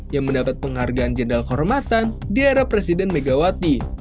yang mendapat penghargaan jenderal kehormatan di era presiden megawati